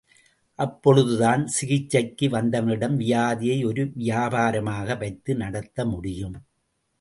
அப்பொழுதுதான், சிகிச்சைக்கு வந்தவனிடம் வியாதியை ஒரு விபாபாரமாக வைத்து நடத்த முடியும்.